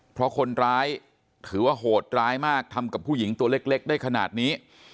เพราะคนร้ายถือว่าโหดร้ายมากทำกับผู้หญิงตัวเล็กได้ขนาดนี้